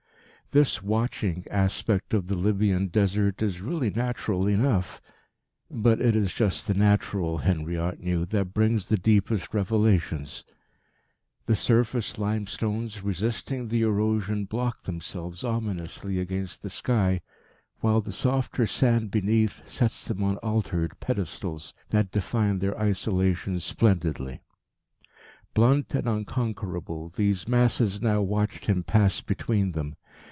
This "watching" aspect of the Libyan Desert is really natural enough; but it is just the natural, Henriot knew, that brings the deepest revelations. The surface limestones, resisting the erosion, block themselves ominously against the sky, while the softer sand beneath sets them on altared pedestals that define their isolation splendidly. Blunt and unconquerable, these masses now watched him pass between them.